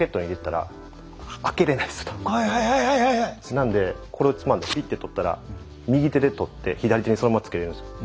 なんでこれをつまんでピッて取ったら右手で取って左手にそのままつけれるんですよ。